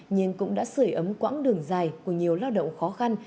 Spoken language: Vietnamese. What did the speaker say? nhưng cũng đã sửa ấm quãng đường dài của nhiều lao động khó khăn